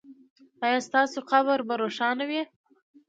ایا ستاسو قبر به روښانه وي؟